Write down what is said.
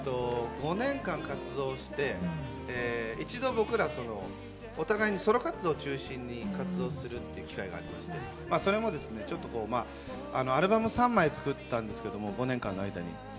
５年間活動して、一度僕らお互いにソロ活動を中心に活動するという機会がありまして、それもアルバム３枚作ったんですけれども、５年間の間に。